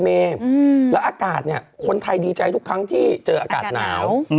แล้วอากาศเนี่ยคนไทยดีใจทุกครั้งที่เจออากาศหนาว